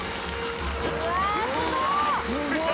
「うわ。すごっ」